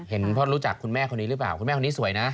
พ่อรู้จักคุณแม่คนนี้หรือเปล่าคุณแม่คนนี้สวยนะ